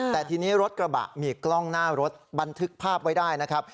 แต่ทีนี้รถกระบะมีกล้องหน้ารถบันทึกภาพไว้ได้นะครับ